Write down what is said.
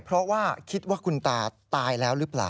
เพราะว่าคิดว่าคุณตาตายแล้วหรือเปล่า